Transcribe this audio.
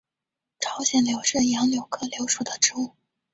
朝鲜柳是杨柳科柳属的植物。